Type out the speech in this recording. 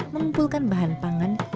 mengumpulkan bahan pangan